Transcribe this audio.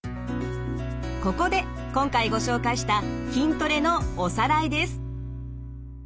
ここで今回ご紹介した筋トレのおさらいです。